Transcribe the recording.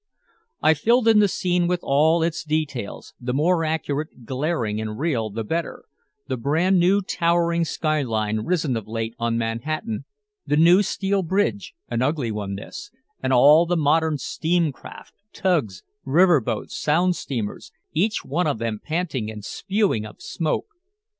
I filled in the scene with all its details, the more accurate, glaring and real the better the brand new towering skyline risen of late on Manhattan, the new steel bridge, an ugly one this, and all the modern steam craft, tugs, river boats, Sound steamers, each one of them panting and spewing up smoke.